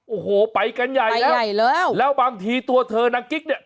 โอ้โหไปกันใหญ่แล้วใหญ่แล้วแล้วบางทีตัวเธอนางกิ๊กเนี่ย